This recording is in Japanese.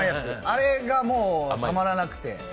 あれがもうたまらなくて。